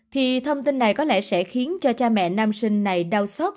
thì thông tin này có lẽ sẽ khiến cho cha mẹ nam sinh này đau xót